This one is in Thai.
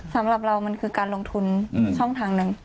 สำหรับเรามันคือการลงทุนช่องทางหนึ่ง